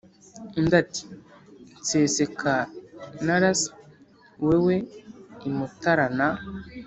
undi ati nseseka naras wewe i mutara na